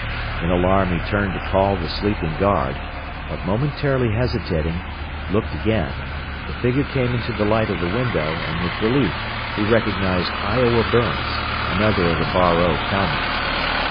In alarm he turned to call the sleeping guard, but momentarily hesitating, looked again, the figure came into the light of the window, and with relief he recognized Iowa Burns, another of the Bar O cowmen.